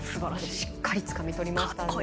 しっかりつかみ取りました。